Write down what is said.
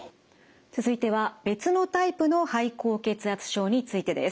続いては別のタイプの肺高血圧症についてです。